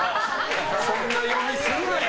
そんな読みするなよ。